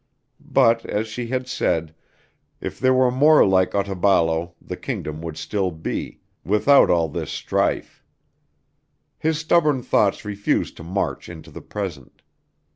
But, as she had said, if there were more like Otaballo, the kingdom would still be, without all this strife. His stubborn thoughts refused to march into the present.